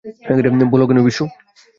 বলো কেন, বিশু?